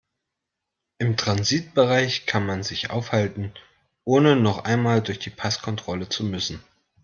Im Transitbereich kann man sich aufhalten, ohne noch einmal durch die Passkontrolle zu müssen.